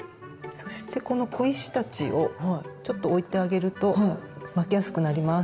そしてこの小石たちをちょっと置いてあげると巻きやすくなります。